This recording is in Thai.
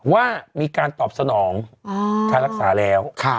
ว่ามีการตอบสนองการรักษาแล้ว